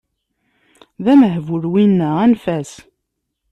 D amehbul winna, anef-as!